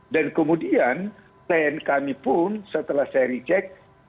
dan kemudian tn kami pun setelah saya reject